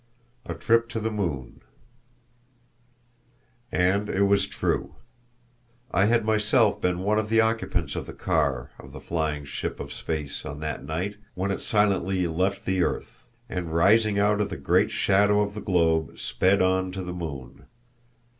A Trip to the Moon. And it was true. I had myself been one of the occupants of the car of the flying Ship of Space on that night when it silently left the earth, and rising out of the great shadow of the globe, sped on to the moon.